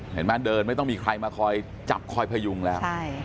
เห็นมนุ์แมล่ะเดินไม่ต้องมีใครมาขอยจับคอยผ่ายุงแล้ว